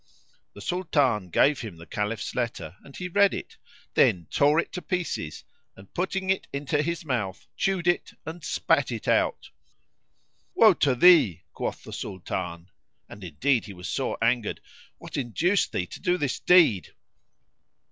The Sultan gave him the Caliph's letter and he read it, then tore it to pieces and putting it into his mouth, chewed it[FN#69] and spat it out. "Woe to thee," quoth the Sultan (and indeed he was sore angered); "what induced thee to do this deed?"